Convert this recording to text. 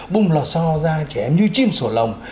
bung lò so ra trẻ em như chim sổ lồng